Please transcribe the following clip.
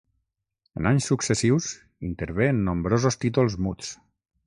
En anys successius intervé en nombrosos títols muts.